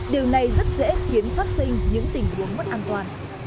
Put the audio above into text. điều này rất dễ khiến phát sinh những tình huống mất an toàn